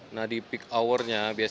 nah di peak hour nya biasanya